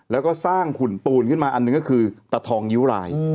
แล้วก็สร้างหุ่นปูนขึ้นมาอันหนึ่งก็คือตะทองนิ้วราย